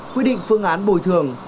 quy định phương án bồi thường